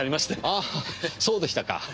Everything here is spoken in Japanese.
ああそうでしたか。